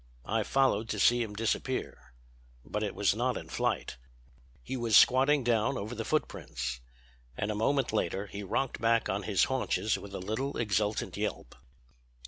I followed to see him disappear. But it was not in flight; he was squatting down over the footprints. And a moment later he rocked back on his haunches with a little exultant yelp.